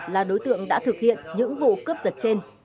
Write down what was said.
là đối tượng đã thực hiện những vụ cướp giật trên